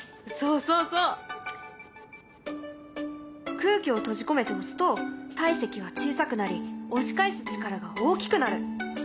空気を閉じ込めて押すと体積は小さくなり押し返す力が大きくなる。